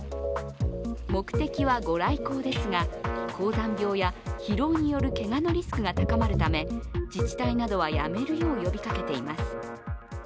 目的は御来光ですが、高山病や疲労によるけがのリスクが高まるため自治体などはやめるよう呼びかけています。